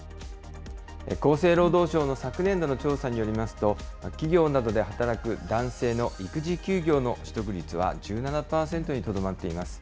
厚生労働省の昨年度の調査によりますと、企業などで働く男性の育児休業の取得率は１７％にとどまっています。